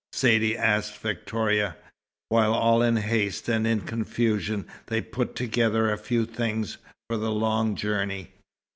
Saidee asked Victoria, while all in haste and in confusion they put together a few things for the long journey.